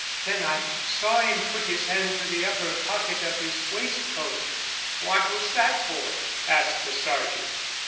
Then I saw him put his hand to the upper pocket of his waistcoat." "What was that for?" asked the sergeant.